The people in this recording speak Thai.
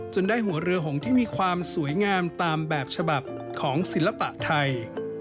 ได้หัวเรือหงที่มีความสวยงามตามแบบฉบับของศิลปะไทย